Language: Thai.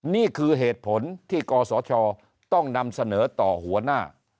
นี่คือเหตุผลที่กศชต้องนำเสนอต่อหัวหน้า